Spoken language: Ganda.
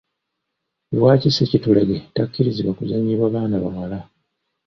Lwaki Ssekitulege takkirizibwa kuzannyibwa baana bawala?